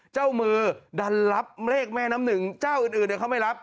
เจ้ามือดันรับเลขแม่น้ำหนึ่งเจ้าอื่นเขาไม่รับ